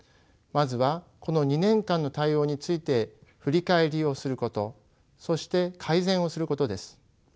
まずはこの２年間の対応について振り返りをすることそして改善をすることです。